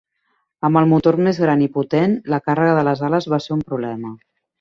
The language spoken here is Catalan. Amb el motor més gran i potent, la càrrega de les ales va ser un problema.